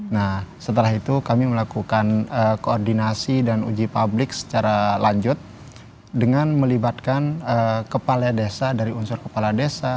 nah setelah itu kami melakukan koordinasi dan uji publik secara lanjut dengan melibatkan kepala desa dari unsur kepala desa